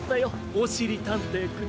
おしりたんていくん。